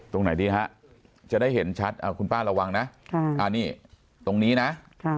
ตรงไหนดีฮะจะได้เห็นชัดอ่าคุณป้าระวังนะค่ะอ่านี่ตรงนี้นะค่ะ